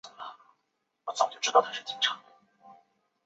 就是多了一分亲切感